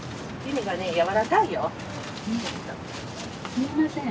すいません。